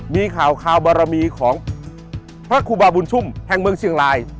มีข่าวคาวบารมีของพระครูบาบุญชุ่มแห่งเมืองเชียงราย